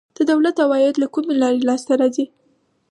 د دولت عواید له کومې لارې لاسته راځي؟